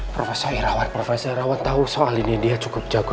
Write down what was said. profesor irawan prof irawan tahu soal ini dia cukup jago